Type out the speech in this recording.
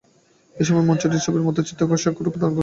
এই সময়ে মঞ্চটি ছবির মত চিত্তাকর্ষক রূপ ধারণ করিল।